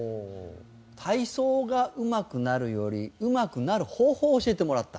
「体操がうまくなるよりうまくなる方法を教えてもらった」。